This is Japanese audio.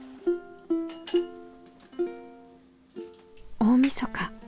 大みそか。